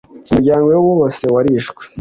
umuryango we wose warishwe